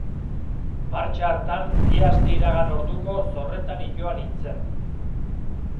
Martxa hartan bi aste iragan orduko zorretan itoa nintzen.